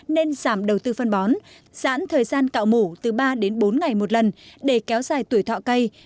nên giảm đầu tư phân bón giãn thời gian cạo mủ từ ba đến bốn ngày một lần để kéo dài tuổi thọ cây